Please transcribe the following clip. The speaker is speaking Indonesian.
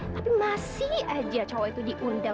tapi masih aja cowok itu diundang